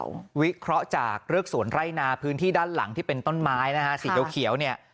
วิเคราะห์จากเรือกสวนไร่นาพื้นที่ด้านหลังที่เป็นต้นไม้นะฮะสีเขียวเนี่ย